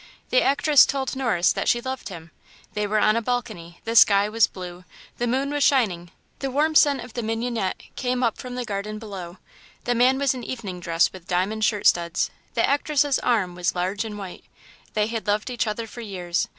The actress told Norris that she loved him. They were on a balcony, the sky was blue, the moon was shining, the warm scent of the mignonette came up from the garden below, the man was in evening dress with diamond shirt studs, the actress's arm was large and white. They had loved each other for years.